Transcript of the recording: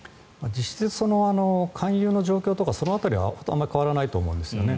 実質、勧誘の状況とかその辺りはあまり変わらないと思いますよね。